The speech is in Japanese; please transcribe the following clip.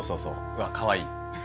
うわかわいい。